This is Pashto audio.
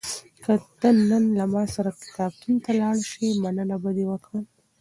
که ته نن له ما سره کتابتون ته لاړ شې، مننه به دې وکړم.